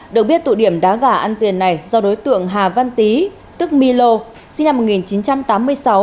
được biết tội điểm đá gà ăn tiền này do đối tượng hà văn tý tức milo sinh năm một nghìn chín trăm tám mươi sáu